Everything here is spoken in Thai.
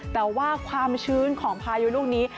แต่ว่าความชื้นของพายุลูกนี้